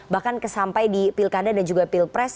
bahkan sampai di pilkada dan juga pilpres